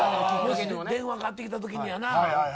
電話かかってきたときにやな。